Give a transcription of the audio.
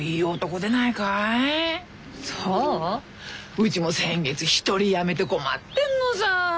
うちも先月１人辞めて困ってんのさ。